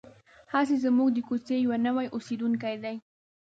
هسې زموږ د کوڅې یو نوی اوسېدونکی دی.